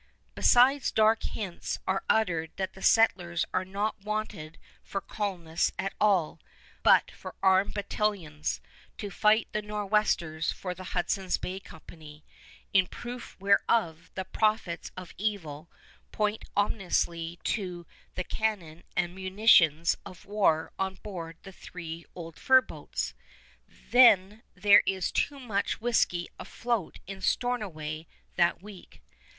Besides, dark hints are uttered that the settlers are not wanted for colonists at all, but for armed battalions to fight the Nor'westers for the Hudson's Bay Company, in proof whereof the prophets of evil point ominously to the cannon and munitions of war on board the three old fur boats. Then there is too much whisky afloat in Stornoway that week.